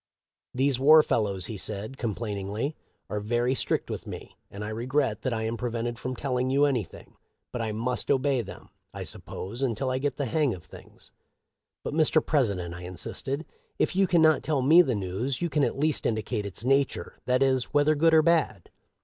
' These war fellows,' he said, complain ingly, ' are very strict with me, and I regret that I am prevented from telling you anything ; but I must obey them, I suppose, until I get the hang of things.' ' But, Mr. President,' I insisted, ' if you can not tell me the news, you can at least indicate its nature, that is, whether good or bad.'